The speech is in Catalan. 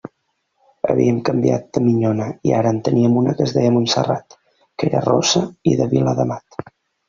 Havíem canviat de minyona i ara en teníem una que es deia Montserrat, que era rossa i de Vilademat.